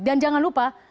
dan jangan lupa